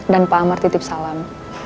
dan pak amar titip salam